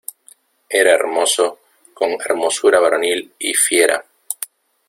era hermoso, con hermosura varonil y fiera.